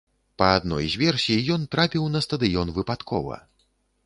Па адной з версій, ён трапіў на стадыён выпадкова.